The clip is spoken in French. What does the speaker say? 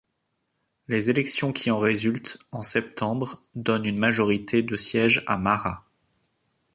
Les élections qui en résultent en septembre donnent une majorité de sièges à Mara.